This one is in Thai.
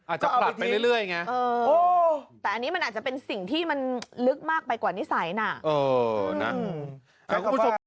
อาจจะปลับไปเรื่อยเรื่อยไงเออโอ้แต่อันนี้มันอาจจะเป็นสิ่งที่มันลึกมากไปกว่านิสัยน่ะเออนะใครความคิด